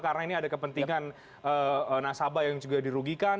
karena ini ada kepentingan nasabah yang juga dirugikan